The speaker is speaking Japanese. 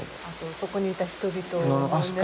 そこにいた人々のね